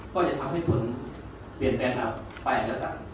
ก็จะทำให้ผลเปลี่ยนแปลงเราไปแล้วสัก